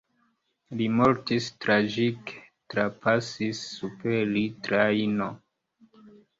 Li mortis tragike: trapasis super li trajno.